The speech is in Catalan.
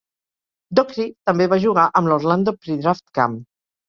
Dockery també va jugar amb l'Orlando Pre-Draft Camp.